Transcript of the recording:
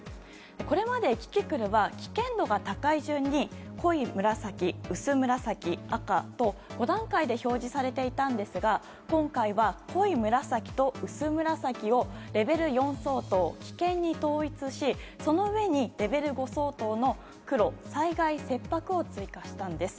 これまでキキクルは危険度が高い順に濃い紫、薄紫、赤と５段階で表示されていたんですが今回は濃い紫と薄紫をレベル４相当危険に統一しその上にレベル５相当の黒、災害切迫を追加したんです。